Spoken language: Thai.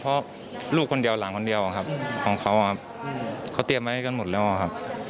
เพราะลูกคนเดียวหลานคนเดียวครับของเขาครับเขาเตรียมไว้กันหมดแล้วครับ